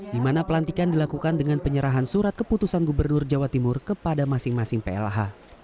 di mana pelantikan dilakukan dengan penyerahan surat keputusan gubernur jawa timur kepada masing masing plh